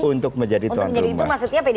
untuk menjadi tuan rumah untuk menjadi itu maksudnya